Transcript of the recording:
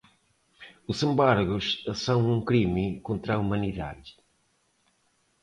os embargos são um crime contra a humanidade